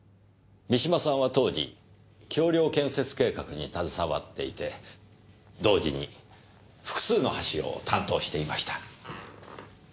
三島さんは当時橋梁建設計画に携わっていて同時に複数の橋を担当していました。